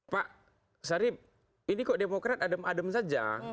pak sarip ini kok demokrat adem adem saja